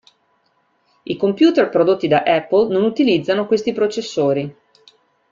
I computer prodotti da Apple non utilizzano questi processori.